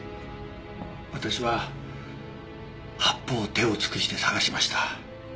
私は八方手を尽くして探しました。